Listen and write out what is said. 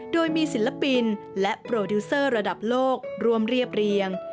โดยมีศิลปินและโปรดิวเซอร์ระดับโลกรวมเรียบเรียง